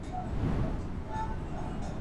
شګوفې مو لکه اوښکي د خوښیو !.